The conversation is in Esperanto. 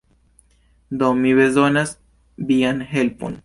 Do, mi bezonas vian helpon.